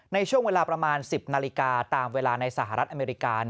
ในช่วงเวลาประมาณ๑๐นาฬิกาตามเวลาในสหรัฐอเมริกา